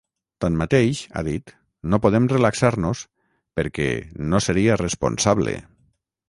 Tanmateix, ha dit, “no podem relaxar-nos” perquè “no seria responsable”.